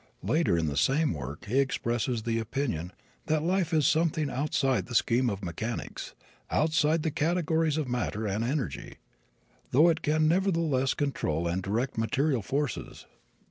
"[J] Later in the same work he expresses the opinion "that life is something outside the scheme of mechanics outside the categories of matter and energy; though it can nevertheless control and direct material forces...."